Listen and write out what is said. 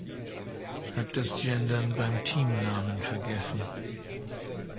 Hab' das Gendern beim Teamnamen vergessen!